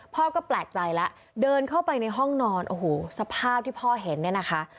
พ่อก็แปลกใจแล้วเดินเข้าไปในห้องนอนโอ้โหสภาพที่พ่อเห็นเนี่ยนะคะ